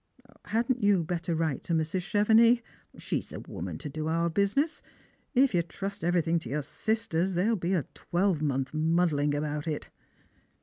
Hadn't you better write to Mrs. Chevenix? She's the woman to do our business. If you trust everything to your sisters, they'll be a twelvemonth muddling about it."